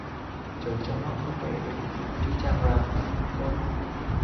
Chớ trông mong cho khỏe bụng, chứ chàng ràng mãi mất công